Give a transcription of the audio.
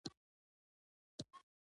باید هر ځوان او پېغله پوهنه ولري